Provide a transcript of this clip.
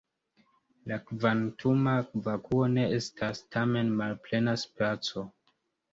La kvantuma vakuo ne estas tamen malplena spaco.